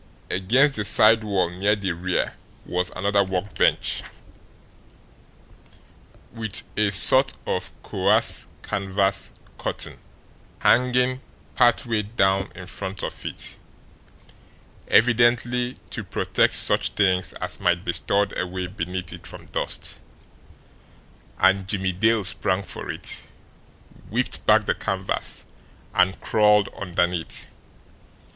Against the side wall, near the rear, was another workbench, with a sort of coarse canvas curtain hanging part way down in front of it, evidently to protect such things as might be stored away beneath it from dust, and Jimmie Dale sprang for it, whipped back the canvas, and crawled underneath.